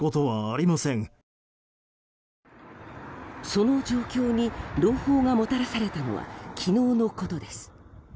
その状況に朗報がもたらされたのは昨日のことです。